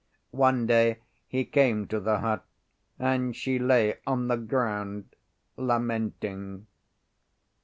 One day he came to the hut, and she lay on the ground lamenting.